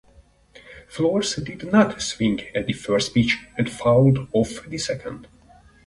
Flores did not swing at the first pitch and fouled off the second.